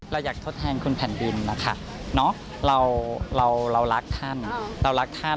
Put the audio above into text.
เราอยากทดแทนคุณแผ่นบินนะคะเรารักท่าน